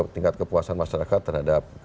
tingkat kepuasan masyarakat terhadap